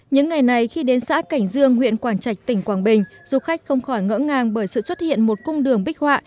những ngày này khi đến xã cảnh dương huyện quảng trạch tỉnh quảng bình du khách không khỏi ngỡ ngàng bởi sự xuất hiện một cung đường bích họa